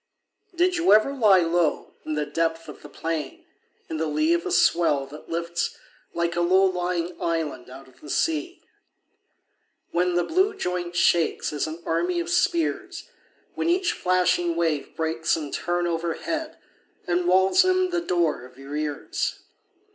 Did you ever lie low In the depth of the plain, & In the lee of a swell that lifts Like a low lying island out of the sea, When the blue joint shakes As an army of spears; When each flashing wave breaks In turn overhead And wails in the door of your ears